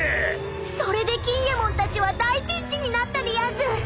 ［それで錦えもんたちは大ピンチになったでやんす］